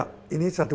itu ini adalah